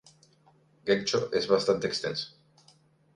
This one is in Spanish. Getxo es bastante extensa.